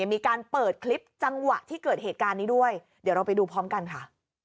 มีการเปิดคลิปจังหวะที่เกิดเหตุการณ์นี้ด้วยเดี๋ยวเราไปดูพร้อมกันค่ะ